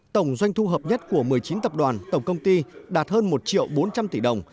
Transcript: tổng doanh thu hợp nhất của một mươi chín tập đoàn tổng công ty đạt hơn một triệu bốn trăm linh tỷ đồng